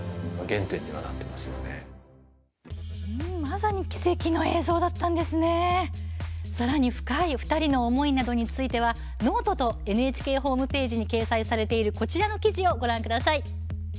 さらに深い２人の思いなどについてはｎｏｔｅとＮＨＫホームぺージに掲載されているこちらの記事をご覧ください。